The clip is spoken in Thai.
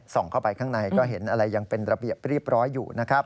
เข้าไปข้างในก็เห็นอะไรยังเป็นระเบียบเรียบร้อยอยู่นะครับ